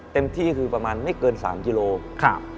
เต็มที่ก็คือประมาณไม่เกิน๓กิโลกรัม